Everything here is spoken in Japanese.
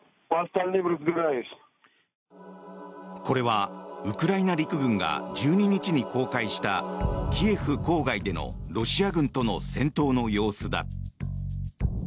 これはウクライナ陸軍が１２日に公開したキエフ郊外でのロシア軍との戦闘の様子だ。